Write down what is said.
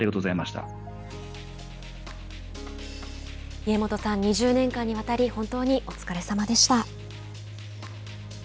家本さん、２０年間にわたり本当にお疲れさまでした。